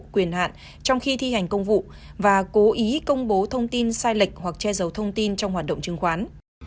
quyền hạn trong khi thi hành công vụ và cố ý công bố thông tin sai lệch hoặc che giấu thông tin trong hoạt động chứng khoán